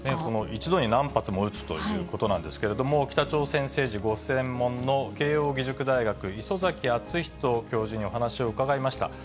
一度に何発も撃つということなんですけれども、北朝鮮政治ご専門の慶応義塾大学、礒崎敦仁教授にお話を伺いました。